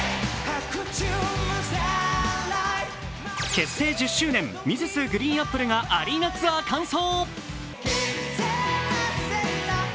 結成１０周年、Ｍｒｓ．ＧＲＥＥＮＡＰＰＬＥがアリーナツアー完走。